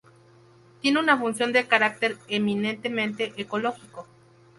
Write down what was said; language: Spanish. Tiene una función de carácter eminentemente ecológico.